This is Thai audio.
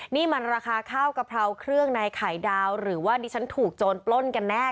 นี่มันราคาข้าวกะเพราเครื่องในไข่ดาวหรือว่าดิฉันถูกโจรปล้นกันแน่